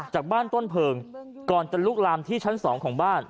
จากบ้านต้นเพลิงก่อนจะลุกลามที่ชั้น๒ของบ้าน